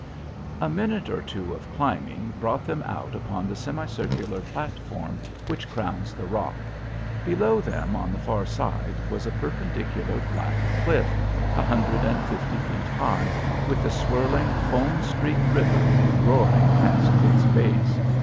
A minute or two of climbing brought them out upon the semicircular platform which crowns the rock. Below them on the far side was a perpendicular black cliff, a hundred and fifty feet high, with the swirling, foam streaked river roaring past its base.